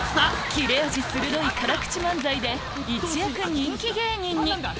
切れ味鋭い辛口漫才で一躍人気芸人に！